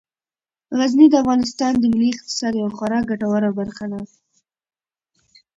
غزني د افغانستان د ملي اقتصاد یوه خورا ګټوره برخه ده.